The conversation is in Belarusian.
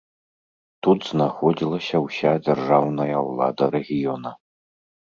Тут знаходзілася ўся дзяржаўная ўлада рэгіёна.